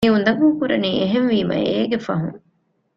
މި އުނދަގޫކުރަނީ އެހެންވީމާ އޭގެ ފަހުން